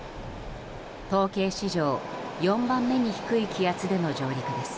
統計史上４番目に低い気圧での上陸です。